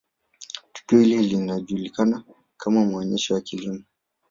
tukio hili linajulikana kama maonesho ya Kilimo